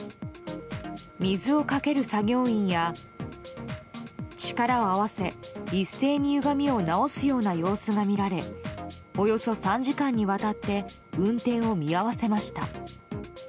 水をかける作業員や力を合わせ一斉にゆがみを直すような様子が見られおよそ３時間にわたって運転を見合わせました。